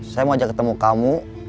saya mau ajak ketemu kamu